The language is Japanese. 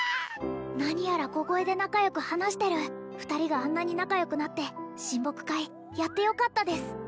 何やら小声で仲良く話してる２人があんなに仲良くなって親睦会やってよかったです